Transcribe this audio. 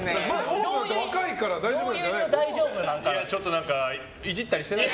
ＯＷＶだって若いから大丈夫なんじゃない？